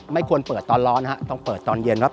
ไม่ควรเปิดตอนร้อนฮะต้องเปิดตอนเย็นครับ